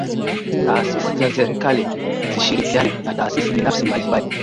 Taasisi za Serikali zishirikiane na taasisi binafsi mbalimbali